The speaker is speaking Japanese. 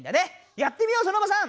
やってみようソノマさん！